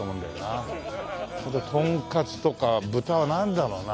トンカツとか豚はなんだろうな？